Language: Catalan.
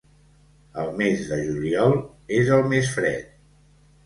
El mes de juliol és el més fred.